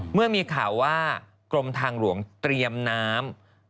เมื่อมีข่าวว่ากรมทางหลวงเตรียมน้ำ